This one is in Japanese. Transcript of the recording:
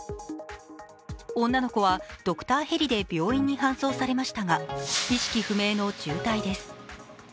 女の子はドクターヘリで病院に搬送されましたが意識不明の重体です。